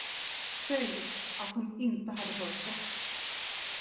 Säg, att hon inte har hört rätt!